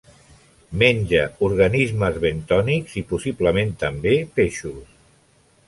Menja organismes bentònics i, possiblement també, peixos.